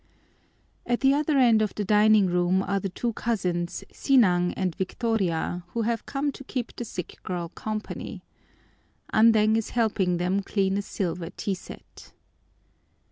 At the other end of the dining room are the two cousins, Sinang and Victoria, who have come to keep the sick girl company. Andeng is helping them clean a silver tea set.